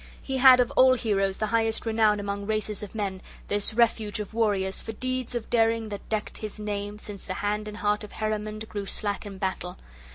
He had of all heroes the highest renown among races of men, this refuge of warriors, for deeds of daring that decked his name since the hand and heart of Heremod grew slack in battle.